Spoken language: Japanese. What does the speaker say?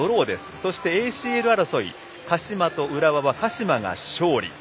そしてＡＣＬ争い、鹿島と浦和は鹿島が勝利。